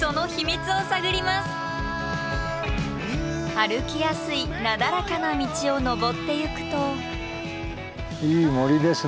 歩きやすいなだらかな道を登ってゆくと。